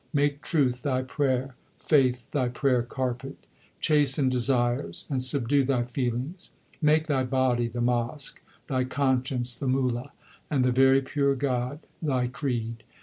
Make truth thy prayer, faith thy prayer carpet ; Chasten desires and subdue thy feelings. Make thy body the mosque, thy conscience the Mulla, and the very pure God thy creed.